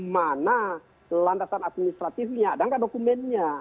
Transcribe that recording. mana lantasan administratifnya adakah dokumennya